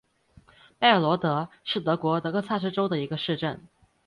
拜尔罗德是德国萨克森州的一个市镇。